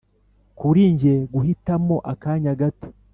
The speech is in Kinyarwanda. kuri njye guhitamo akanya gato